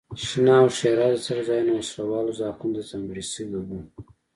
شنه او ښېرازه څړځایونه وسله والو ځواکونو ته ځانګړي شوي وو.